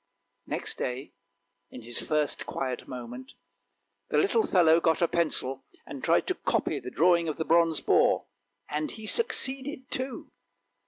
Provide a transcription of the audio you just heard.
Next day, in his first quiet moment, the little fellow got a pencil and tried to copy the drawing of the bronze boar, and he succeeded too!